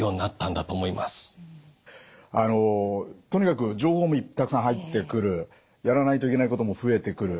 あのとにかく情報もたくさん入ってくるやらないといけないことも増えてくる。